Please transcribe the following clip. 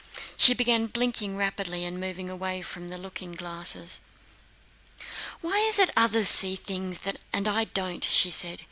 She began blinking rapidly and moved away from the looking glasses. "Why is it others see things and I don't?" she said.